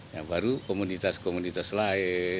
yang baru komunitas komunitas lain